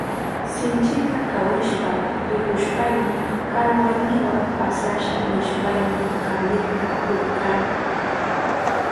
Sinchita kawishpa rihushpayni kanuwayniwa pasasha nishpayni kanikta rirkani.